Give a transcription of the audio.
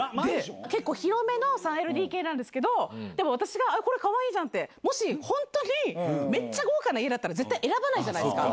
結構広めの３ＬＤＫなんですけど、でも私が、あっ、これかわいいじゃんって、もし、本当にめっちゃ豪華な家だったら、絶対選ばないじゃないですか。